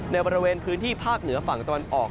ในบริเวณพื้นที่ภาคเหนือฝั่งตะวันออก